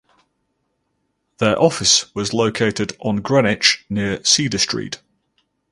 Their office was located on Greenwich near Cedar Street.